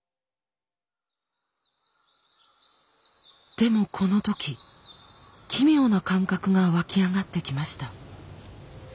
でもこの時奇妙な感覚が湧き上がってきました。